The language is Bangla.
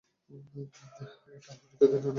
এটা ওর নিত্যদিনের নাটক।